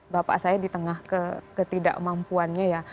bapak saya di tengah ketidakmampuannya ya